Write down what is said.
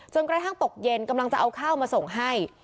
กระทั่งตกเย็นกำลังจะเอาข้าวมาส่งให้